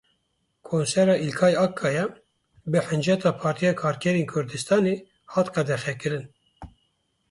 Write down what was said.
Konsera Îlkay Akkaya bi hinceta Partiya Karkerên Kurdistanê hat qedexekirin.